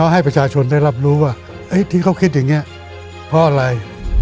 ให้ประชาชนได้รับรู้ว่าที่เขาคิดอย่างนี้เพราะอะไร